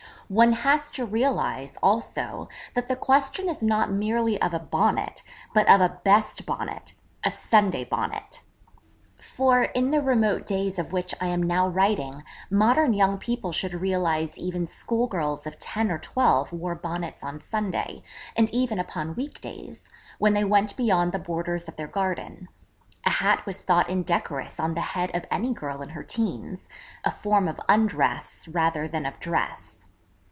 One has to realise, also, that the question is not merely of a bonnet, but of a Best Bonnet, a Sunday Bonnet. For, in the remote days of which I am now writing modern young people should realise even schoolgirls of ten or twelve wore bonnets on Sunday, and even upon week days, when they went beyond the borders of their garden: a hat was thought indecorous on the head of any girl in her 'teens a form of undress rather than of dress.